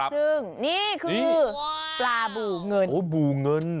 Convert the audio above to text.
ซึ่งนี่คือปลาเที่ยวเงิน